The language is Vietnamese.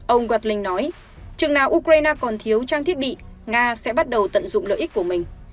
ông wardlin nói chừng nào ukraine còn thiếu trang thiết bị nga sẽ bắt đầu tận dụng lợi ích của mình